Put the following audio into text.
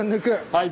はい。